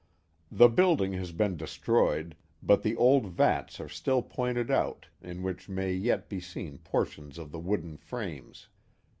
The building has been destroyed, but the old vats are still pointed out, in which may yet be seen portions of the wooden frames.